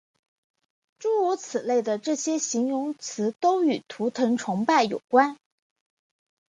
诸如此类的这些形容语都与图腾崇拜有关。